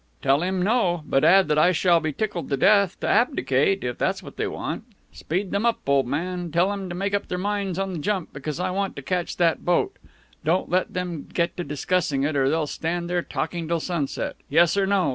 "Tell him no, but add that I shall be tickled to death to abdicate, if that's what they want. Speed them up, old man. Tell them to make up their minds on the jump, because I want to catch that boat. Don't let them get to discussing it, or they'll stand there talking till sunset. Yes or no.